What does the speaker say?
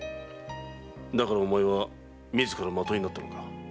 だからお前は自ら的になったのだな？